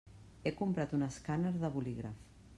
He comprat un escàner de bolígraf.